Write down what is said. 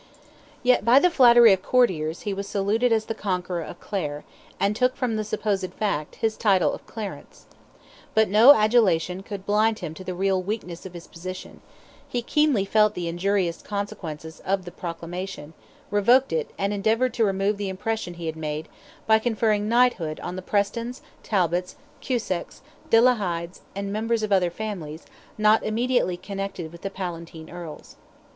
Yet by the flattery of courtiers he was saluted as the conqueror of Clare, and took from the supposed fact, his title of Clarence. But no adulation could blind him to the real weakness of his position: he keenly felt the injurious consequences of his proclamation, revoked it, and endeavoured to remove the impression he had made, by conferring knighthood on the Prestons, Talbots, Cusacks, De la Hydes, and members of other families, not immediately connected with the Palatine Earls.